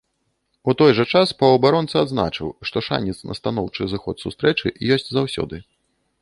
У той жа час паўабаронца адзначыў, што шанец на станоўчы зыход сустрэчы ёсць заўсёды.